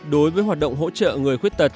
đối với hoạt động hỗ trợ người khuyết tật